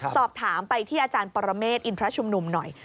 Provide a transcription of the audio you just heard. สอบถามไปที่อาจารย์ปรเมฆอินทรชุมนุมหน่อย